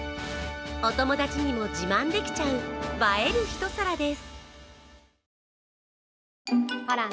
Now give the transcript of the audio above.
お友達にも自慢できちゃう映える一皿です。